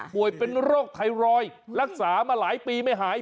ป่วยเป็นโรคไทรอยด์รักษามาหลายปีไม่หาย